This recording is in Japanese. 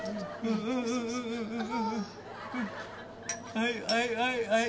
はいはいはいはい。